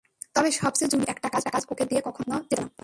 তবে সবচেয়ে জুনিয়র হলেও একটা কাজ ওকে দিয়ে কখনোই করানো যেত না।